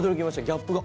ギャップが。